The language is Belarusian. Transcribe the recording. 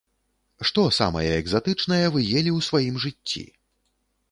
Што самае экзатычнае вы елі ў сваім жыцці?